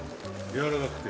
やわらかくて。